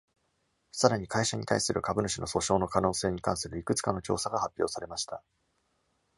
さらに、会社に対する株主の訴訟の可能性に関するいくつかの調査が発表されました。